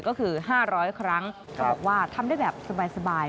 ก็คือ๕๐๐ครั้งเขาบอกว่าทำได้แบบสบาย